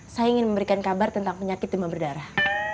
saya ingin memberikan kabar tentang penyakit demam berdarah